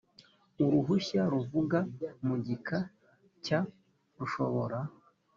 uruhushya ruvuga mu gika cya rushobora